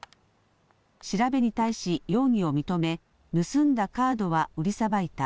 調べに対し容疑を認め盗んだカードは売りさばいた。